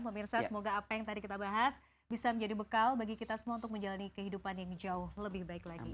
pemirsa semoga apa yang tadi kita bahas bisa menjadi bekal bagi kita semua untuk menjalani kehidupan yang jauh lebih baik lagi